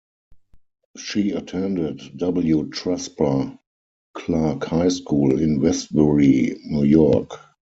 She attended W. Tresper Clarke High School in Westbury, New York.